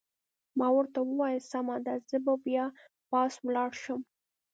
ما ورته وویل: سمه ده، زه به بیا پاس ولاړ شم.